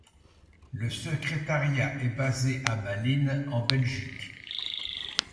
Le secrétariat est basé à Malines en Belgique.